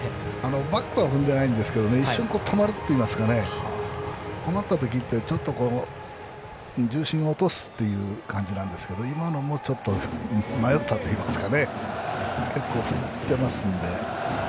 バックは踏んでいないんですけど止まるといいますか困ったときってちょっと重心を落とすという感じなんですけど今のも迷ったといいますか。